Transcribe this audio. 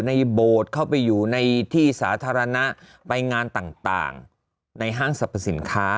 โบสถ์เข้าไปอยู่ในที่สาธารณะไปงานต่างในห้างสรรพสินค้า